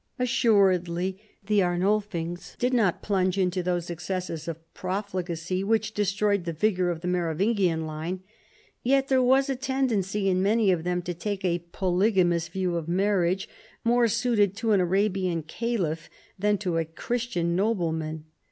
Assuredly the Arnulf ings did not plunge into those excesses of profligacy which destroyed the vigor of the Merovingian line, yet there was a tendency in many of them to take a polygamous view of marriage, more suited to an Arabian Caliph than to a Christian nobleman.